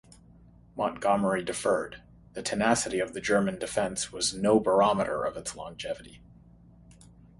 Montgomery differed; the tenacity of the German defence was no barometer of its longevity.